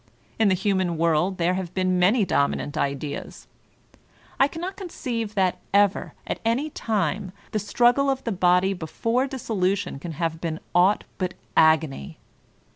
In the human world there have been many dominant ideas. I cannot con ceive that ever, at any time, the struggle of the body before dissolution can have been aught but agony.